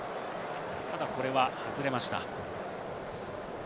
ただ、これは外れました。